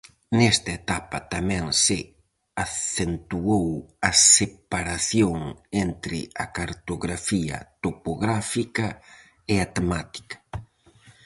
Nesta etapa tamén se acentuou a separación entre a cartografía topográfica e a temática.